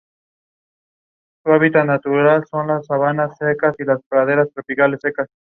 Estas categorías son: sustancia, cantidad, cualidad, relación, lugar, tiempo, posición, posesión, acción y pasión.